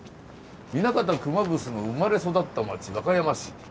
「南方熊楠の生まれ育ったまち和歌山市」。